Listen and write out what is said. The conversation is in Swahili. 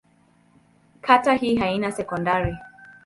Kata hii haina sekondari.